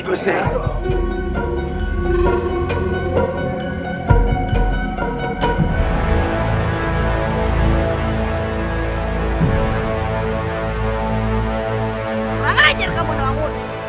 kurang ajar kamu nongol